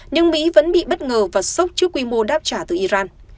nhưng mỹ vẫn bị bất ngờ và sốc trước quy mô đáp trả từ iran